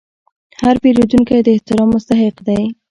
هر پیرودونکی د احترام مستحق دی.